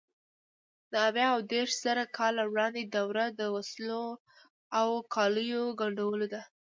د اویا او دېرشزره کاله وړاندې دوره د وسلو او کالیو ګنډلو ده.